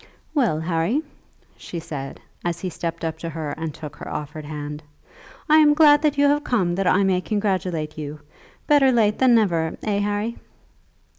"Well, Harry," she said, as he stepped up to her and took her offered hand. "I am glad that you have come that I may congratulate you. Better late than never; eh, Harry?"